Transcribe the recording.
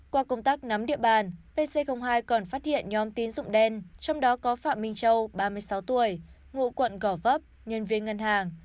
qua công tác nắm địa bàn pc hai còn phát hiện nhóm tín dụng đen trong đó có phạm minh châu ba mươi sáu tuổi ngụ quận gò vấp nhân viên ngân hàng